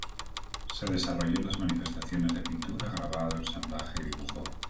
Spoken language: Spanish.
Se desarrolló en las manifestaciones de pintura, grabado, ensamblaje y dibujo.